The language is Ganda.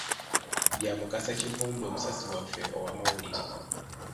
Bya Mukasa Kivumbi omusasi waffe ow'amawulire.